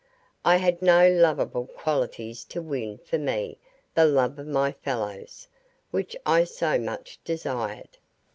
I had no lovable qualities to win for me the love of my fellows, which I so much desired.